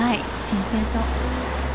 新鮮そう。